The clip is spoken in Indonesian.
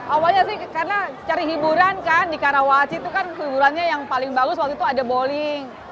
awalnya sih karena cari hiburan kan di karawaci itu kan hiburannya yang paling bagus waktu itu ada bowling